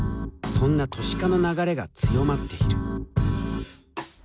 そんな都市化の流れが強まっている。